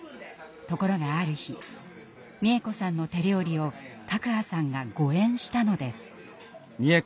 ところがある日美枝子さんの手料理を卓巴さんが誤えんしたのです。